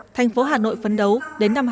tp hà nội phấn đấu đến năm hai nghìn ba mươi